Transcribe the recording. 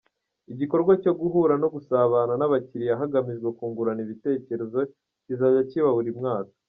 Igikorwa cyo guhura no gusabana n’abakiliya hagamijwe kungurana ibitekerezo kizajya kiba buri mwaka.